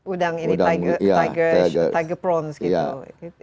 udang ini tiger tiger prawn gitu